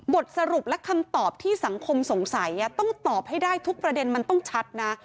บทสรุปและคำตอบที่สังคมสงสัยต้องตอบให้ได้ทุกประเด็นมันต้องชัดนะ